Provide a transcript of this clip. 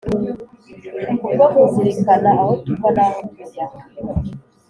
kubwo kuzirikana aho tuva n’aho tujya